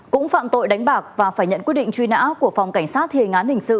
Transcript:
cũng phạm tội đánh bạc và phải nhận quyết định truy nã của phòng cảnh sát thề ngán hình sự